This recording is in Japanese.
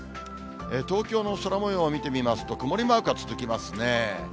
東京の空もようを見てみますと、曇りマークが続きますね。